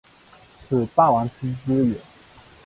此霸王之资也。